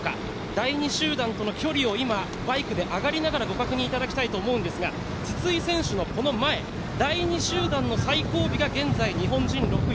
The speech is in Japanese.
第２集団との距離を今、バイクで上がりながらご確認いただきたいと思うんですが筒井選手のこの前第２集団の最後尾が現在、日本人６位。